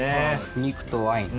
肉とワイン。